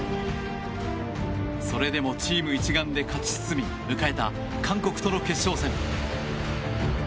それでもチーム一丸で勝ち進み迎えた韓国との決勝戦。